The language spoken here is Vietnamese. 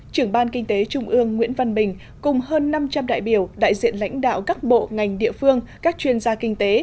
trưởng ban kinh tế trung ương nguyễn văn bình cùng hơn năm trăm linh đại biểu đại diện lãnh đạo các bộ ngành địa phương các chuyên gia kinh tế